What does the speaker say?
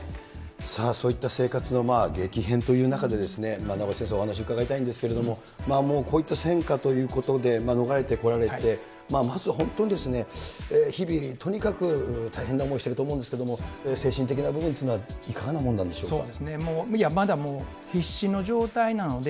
さあ、そういった生活の激変という中で、名越先生、お話伺いたいんですけれども、もうこういった戦火ということで、逃れてこられて、まず本当に日々、とにかく大変な思いしてると思うんですけども、精神的な部分というのはいかがなもんなんでしょうか。